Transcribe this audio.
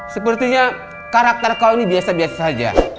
sepertinya karakter kau ini biasa biasa saja